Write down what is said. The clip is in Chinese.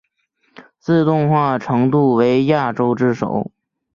自动化程度为亚洲之首。